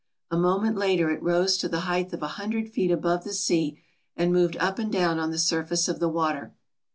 A moment later it rose to the height of a hundred feet above the sea and moved up and down on the surface of the water.